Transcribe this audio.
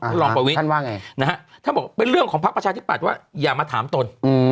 ท่านรองประวิทย์นะฮะท่านบอกเป็นเรื่องของพักประชาธิปัตย์ว่าอย่ามาถามตน